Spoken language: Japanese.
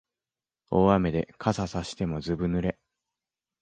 大雨で傘さしてもずぶ濡れ